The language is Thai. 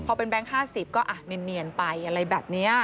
พอเป็นแก๊ง๕๐ก็เนียนไปอะไรแบบนี้